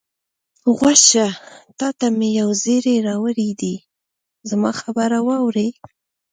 غوږ شه، تا ته مې یو زېری راوړی دی، زما خبره واورئ.